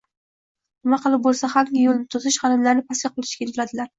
nima qilib bo’lsa hamki, yo’lni to’sish, g’animlarini pastga qulatishga intiladilar.